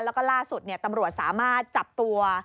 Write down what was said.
แล้วก็ล่าสุดตำรวจสามารถจับตัว